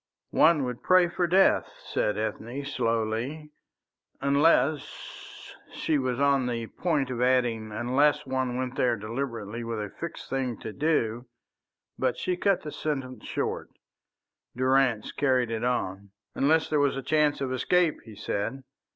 "One would pray for death," said Ethne, slowly, "unless " She was on the point of adding "unless one went there deliberately with a fixed thing to do," but she cut the sentence short. Durrance carried it on: "Unless there was a chance of escape," he said.